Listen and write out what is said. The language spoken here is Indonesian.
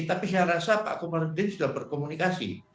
tapi saya rasa pak komarudin sudah berkomunikasi